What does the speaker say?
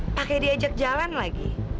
pake diajak jalan lagi